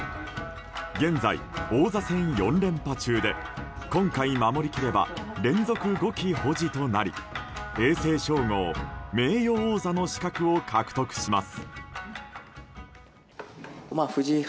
現在、王座戦４連覇中で今回守り切れば連続５期保持となり永世称号・名誉王座の資格を獲得します。